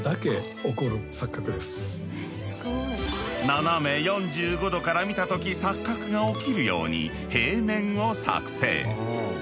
斜め４５度から見た時錯覚が起きるように平面を作製。